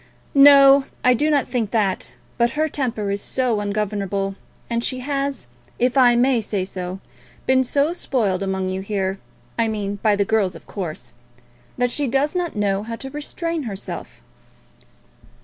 "No; I do not think that. But her temper is so ungovernable, and she has, if I may say so, been so spoilt among you here, I mean by the girls, of course, that she does not know how to restrain herself."